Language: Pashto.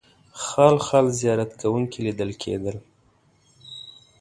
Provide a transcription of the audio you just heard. خال خال زیارت کوونکي لیدل کېدل.